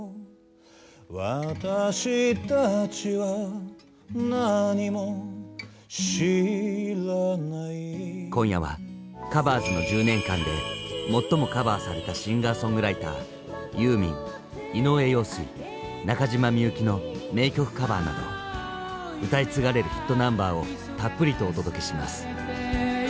「私たちはなにも知らない」今夜は「カバーズ」の１０年間で最もカバーされたシンガーソングライターユーミン井上陽水中島みゆきの名曲カバーなど歌い継がれるヒットナンバーをたっぷりとお届けします。